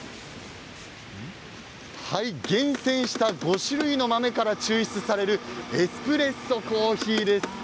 厳選した５種類の豆から抽出されるエスプレッソコーヒーです。